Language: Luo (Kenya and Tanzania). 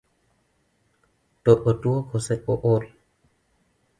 To otuo kose ool?